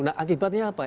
nah akibatnya apa